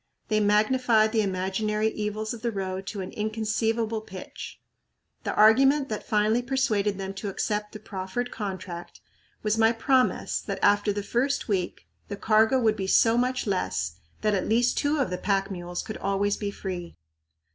They magnified the imaginary evils of the road to an inconceivable pitch. The argument that finally persuaded them to accept the proffered contract was my promise that after the first week the cargo would be so much less that at least two of the pack mules could always be free.